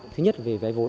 thứ nhất là về vay vốn